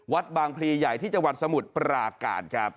วัดบางพลีใหญ่ที่จังหวัดสมุทรปราการครับ